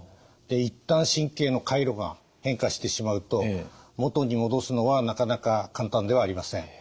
一旦神経の回路が変化してしまうともとに戻すのはなかなか簡単ではありません。